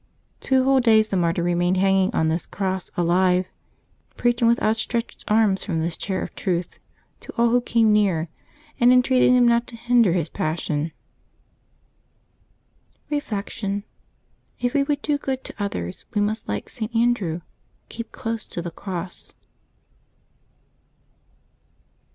Two whole days the martyr remained hanging on this cross alive, preaching, with outstretched arms from this chair of truth, to all who came near, and entreating them not to hinder his passion. Reflection. — If we would do good to others, we must, like St. Andrew, keep close to the cross.